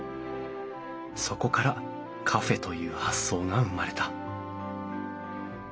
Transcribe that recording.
そこからカフェという発想が生まれた。